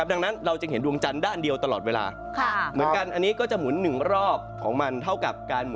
ดังนั้นเราจะเห็นดวงจันทร์ด้านเดียวตลอดเวลา